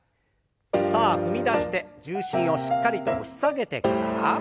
さあ踏み出して重心をしっかりと押し下げてから。